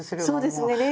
そうですね。